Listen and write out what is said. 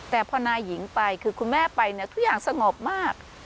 แต่พอนายหญิงไปคือคุณแม่ไปเนี่ยทุกอย่างสงบมาก